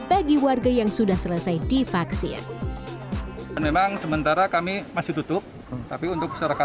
bagi warga yang sudah selesai divaksin